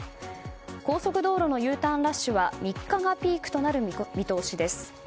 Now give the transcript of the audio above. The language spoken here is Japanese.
高速道路のＵターンラッシュは３日がピークとなる見通しです。